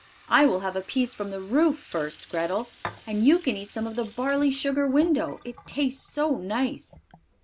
I will have a piece from the roof first, Grethel; and you can eat some of the barley sugar window, it tastes so nice."